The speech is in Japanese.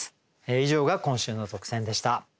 以上が今週の特選でした。